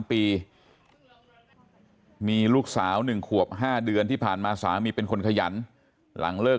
ปีมีลูกสาว๑ขวบ๕เดือนที่ผ่านมาสามีเป็นคนขยันหลังเลิก